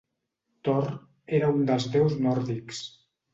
Thor era un dels déus nòrdics.